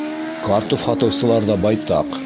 Картуф һатыусылар ҙа байтаҡ.